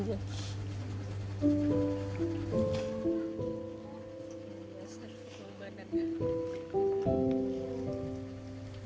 jadi sakit ditahan saja